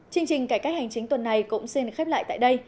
chương trình cải cách hành chính tuần này cũng xin được khép lại tại đây